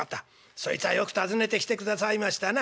そいつはよく訪ねてきてくださいましたな。